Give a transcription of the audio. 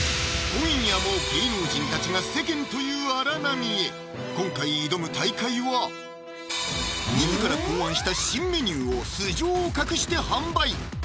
今夜も芸能人たちが世間という荒波へ今回挑む大海は自ら考案した新メニューを素性を隠して販売